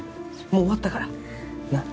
もう終わったからなっ